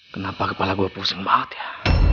kenapa kepala gue posong banget ya